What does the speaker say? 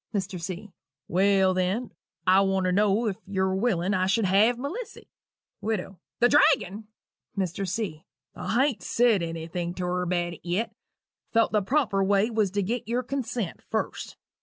MR. C. "Well, then, I want to know if yu're willing I should have Melissy?" WIDOW. "The dragon!" MR. C. "I hain't said anything to her about it yet thought the proper way was to get your consent first.